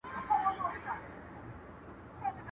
چرسي زوى، نه زوى، تارياکي ، دوه په ايکي.